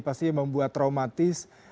pasti membuat traumatis